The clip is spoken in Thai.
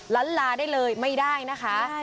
ล้านลาได้เลยไม่ได้นะคะ